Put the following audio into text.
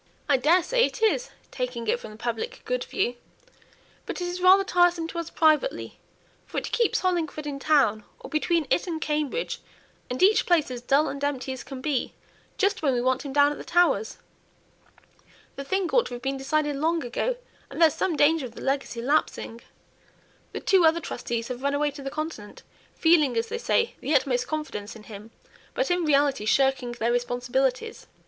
"I daresay it is, taking it from the public good view. But it's rather tiresome to us privately, for it keeps Hollingford in town or between it and Cambridge and each place as dull and empty as can be, just when we want him down at the Towers. The thing ought to have been decided long ago, and there's some danger of the legacy lapsing. The two other trustees have run away to the Continent, feeling, as they say, the utmost confidence in him, but in reality shirking their responsibilities.